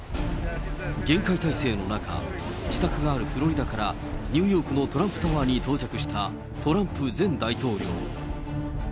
厳戒態勢の中、自宅があるフロリダからニューヨークのトランプタワーに到着したトランプ前大統領。